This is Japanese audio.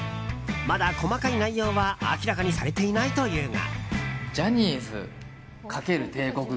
まだ細かい内容は明らかにされていないというが。